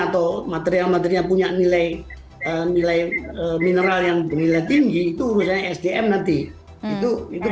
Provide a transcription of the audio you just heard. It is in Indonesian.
atau material material punya nilai nilai mineral yang bernilai tinggi itu urusannya sdm nanti itu